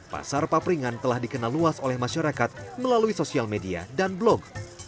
pasar papringan telah dikenal luas oleh masyarakat melalui sosial media dan blog